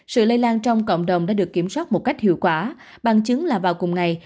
sự lây lan trong cộng đồng đã được kiểm soát một cách hiệu quả bằng chứng là vào cùng ngày